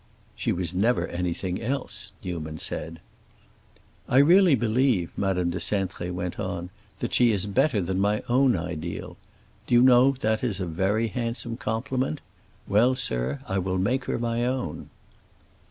"She was never anything else," Newman said. "I really believe," Madame de Cintré went on, "that she is better than my own ideal. Do you know that is a very handsome compliment? Well, sir, I will make her my own!"